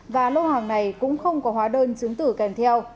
và lô hàng này cũng không có hóa đơn chứng tử kèm theo